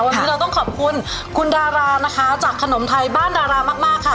วันนี้เราต้องขอบคุณคุณดารานะคะจากขนมไทยบ้านดารามากมากค่ะ